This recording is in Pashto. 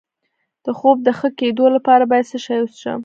د خوب د ښه کیدو لپاره باید څه شی وڅښم؟